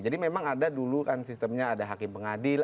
jadi memang ada dulu kan sistemnya ada hakim pengadil